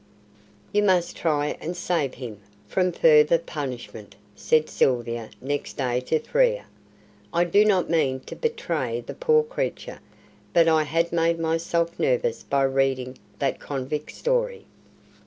"You must try and save him from further punishment," said Sylvia next day to Frere. "I did not mean to betray the poor creature, but I had made myself nervous by reading that convict's story."